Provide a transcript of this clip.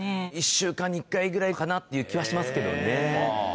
１週間に１回ぐらいかなっていう気はしますけどね。